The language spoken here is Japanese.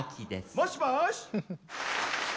もしもし！